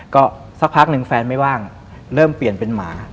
ก็สักพักหนึ่งแฟนไม่ว่างเริ่มเปลี่ยนเป็นหมา